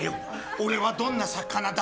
俺はどんな魚だ